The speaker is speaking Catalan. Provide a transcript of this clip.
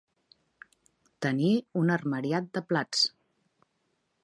Tenir un armariat de plats.